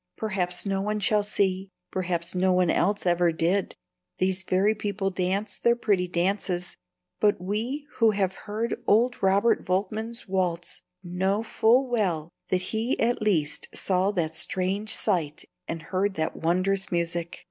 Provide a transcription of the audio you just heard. Perhaps no one shall see, perhaps no one else ever did see, these fairy people dance their pretty dances; but we who have heard old Robert Volkmann's waltz know full well that he at least saw that strange sight and heard that wondrous music.